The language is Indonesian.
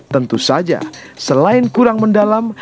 tentu saja selain kurang mendalam